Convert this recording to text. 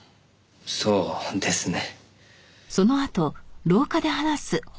そうですね。